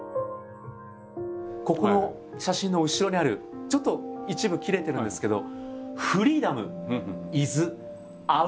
ここの写真の後ろにあるちょっと一部切れてるんですけど。